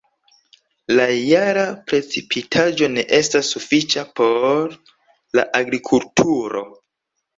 La jara precipitaĵo ne estas sufiĉa por la agrikulturo.